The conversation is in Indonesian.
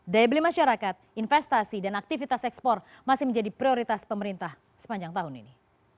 daya beli masyarakat investasi dan aktivitas ekspor masih menjadi prioritas pemerintah sepanjang tahun ini